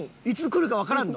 いつ来るか。